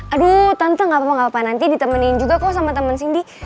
aduh tantangan gak apa apa nanti ditemenin juga kok sama temen cindy